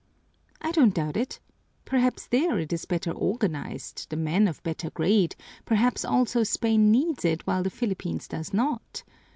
"I don't doubt it. Perhaps there, it is better organized, the men of better grade, perhaps also Spain needs it while the Philippines does not.